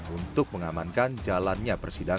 untuk mengamankan jalannya persiapan